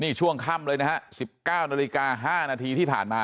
นี่ช่วงค่ำเลยนะฮะ๑๙นาฬิกา๕นาทีที่ผ่านมา